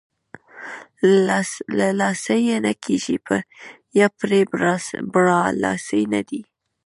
له لاسه یې نه کېږي یا پرې برلاسۍ نه دی.